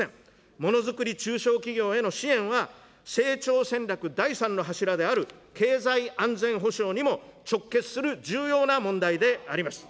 ものづくり中小企業への支援は、成長戦略第３の柱である経済安全保障にも直結する重要な問題であります。